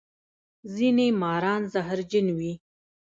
ځینې ماران زهرجن وي